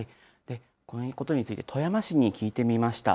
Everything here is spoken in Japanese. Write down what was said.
このことについて富山市に聞いてみました。